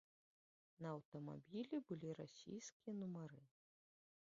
На аўтамабілі былі расійскія нумары.